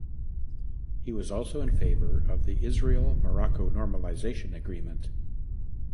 He was also in favor of the Israel–Morocco normalization agreement.